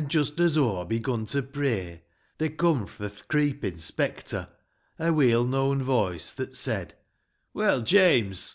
9 1 An' just as aw begun to pray, There coom fro' th' creepin' spectre A weel known voice, that said, " Well, James